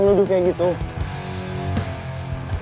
gak usah gak usah gak usah